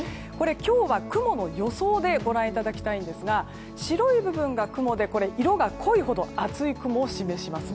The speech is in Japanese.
今日は雲の予想でご覧いただきたいんですが白い部分が雲で色が濃いほど厚い雲を示します。